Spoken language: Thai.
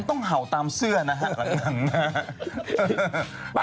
คุณต้องเห่าตามเสื้อนะฮะหลังหน้า